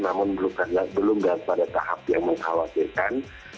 namun belum pada tahap yang mengkhawatirkan